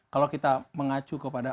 kalau kita mengacu kepada